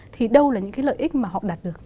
thì đâu là những cái lợi ích mà họ đạt được